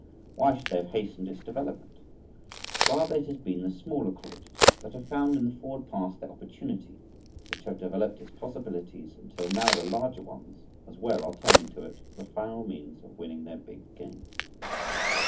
Why should they have hastened its development? Rather it has been the smaller colleges that have found in the forward pass their opportunity, which have developed its possibilities until now the larger ones as well are turning to it as the final means of winning their big game.